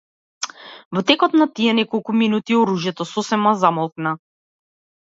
Во текот на тие неколку минути, оружјето сосема замолкна.